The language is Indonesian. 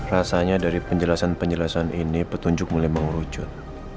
rasanya dari penjelasan penjelasan ini petunjuk mulai mengerucut